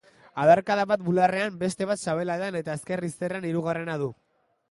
Adarkada bat bularrean, beste bat sabelaldean eta ezker izterrean hirugarrena du.